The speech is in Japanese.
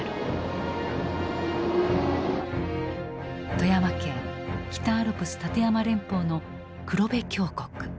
富山県北アルプス立山連峰の黒部峡谷。